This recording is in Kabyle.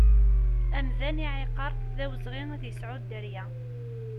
Amdan iɛiqer d awezɣi ad yesɛu dderya.